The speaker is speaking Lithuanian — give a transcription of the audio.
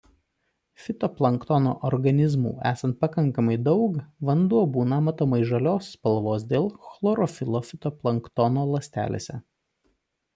Fitoplanktono organizmų esant pakankamai daug vanduo būna matomai žalios spalvos dėl chlorofilo fitoplanktono ląstelėse.